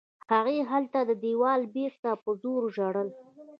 هغې هلته د دېوال بېخ ته په زوره ژړل.